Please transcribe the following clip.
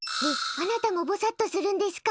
あなたもぼさっとするんですか？